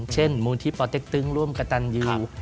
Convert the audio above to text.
มูลที่ปเต็กตึงร่วมกระตันยู